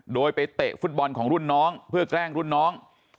โดยไปเตะฟุตบอลของรุ่นน้องเพื่อแกล้งรุ่นน้อง